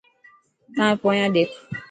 تائن پونيان ڏيک.